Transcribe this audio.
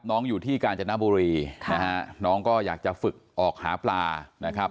น้องอยู่ที่กาญจนบุรีนะฮะน้องก็อยากจะฝึกออกหาปลานะครับ